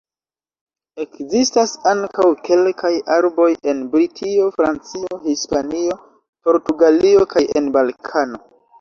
Ekzistas ankaŭ kelkaj arboj en Britio, Francio, Hispanio, Portugalio kaj en Balkano.